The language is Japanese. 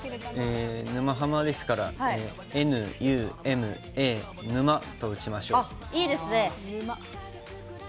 「沼ハマ」ですからＮ・Ｕ・Ｍ・ＡＮＵＭＡと打ちましょう。